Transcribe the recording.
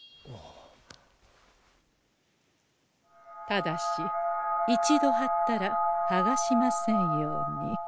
ただし一度はったらはがしませんように。